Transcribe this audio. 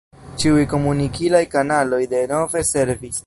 Ĉiuj komunikilaj kanaloj denove servis.